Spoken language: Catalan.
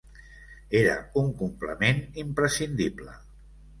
Era un complement imprescindible.